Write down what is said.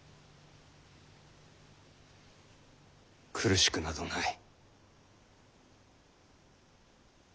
苦しくなどない。